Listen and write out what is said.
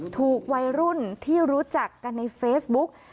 ถูกวัยรุ่นที่รู้จักกันในเฟซบุ๊ก